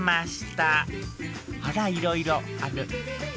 あらいろいろある。